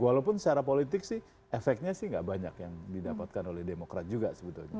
walaupun secara politik sih efeknya sih gak banyak yang didapatkan oleh demokrat juga sebetulnya